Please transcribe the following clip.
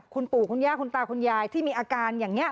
คุณปู่คุณย่าคุณตาคุณยายที่มีอาการอย่างนี้